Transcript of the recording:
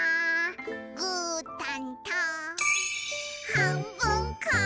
「ぐーたんとはんぶんこ！」